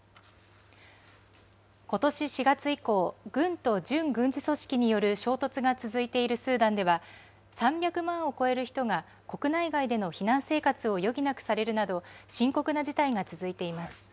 ことし４月以降、軍と準軍事組織による衝突が続いているスーダンでは、３００万を超える人が国内外での避難生活を余儀なくされるなど、深刻な事態が続いています。